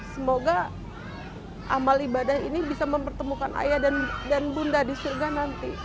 semoga amal ibadah ini bisa mempertemukan ayah dan bunda di surga nanti